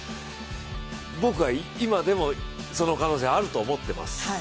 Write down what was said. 僕は今でもその可能性あると思ってます。